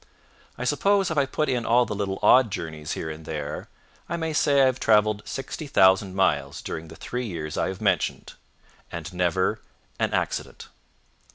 I suppose if I put in all the little odd journeys here and there, I may say I have traveled sixty thousand miles during the three years I have mentioned. _And never an accident.